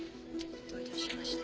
どういたしまして。